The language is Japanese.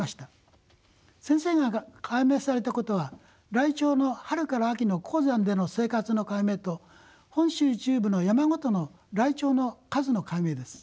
先生が解明されたことはライチョウの春から秋の高山での生活の解明と本州中部の山ごとのライチョウの数の解明です。